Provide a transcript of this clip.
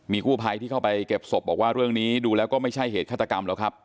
กู้ภัยที่เข้าไปเก็บศพบอกว่าเรื่องนี้ดูแล้วก็ไม่ใช่เหตุฆาตกรรมหรอกครับ